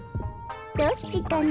どっちかな？